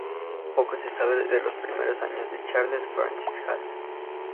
Poco se sabe de los primeros años de Charles Francis Hall.